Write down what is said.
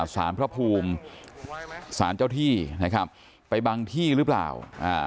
สารพระภูมิสารเจ้าที่นะครับไปบังที่หรือเปล่าอ่า